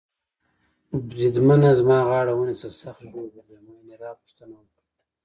بریدمنه زما غاړه ونیسه، سخت ژوبل يې؟ مانیرا پوښتنه وکړه.